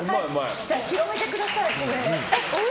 じゃあ、広めてください。